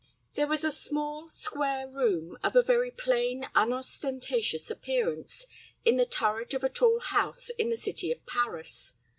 There was a small, square room, of a very plain, unostentatious appearance, in the turret of a tall house in the city of Paris.